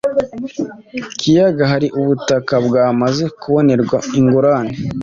ikiyaga hari ubutaka bwamaze kubonerwa ingurane